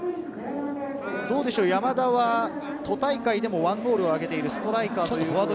山田は都大会でも１ゴールを挙げているストライカー。